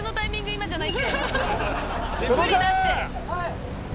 今じゃないって。